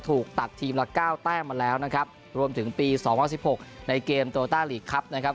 ถูกตัดทีมละเก้าแต้มมาแล้วนะครับรวมถึงปีสองพันสิบหกในเกมโตต้าลีกครับนะครับ